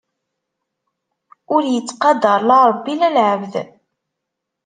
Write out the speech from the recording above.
Ur yettqadar la Rebbi la lɛebd.